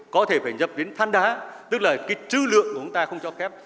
có thể phải nhập đến than đá tức là cái chữ lượng của chúng ta không cho phép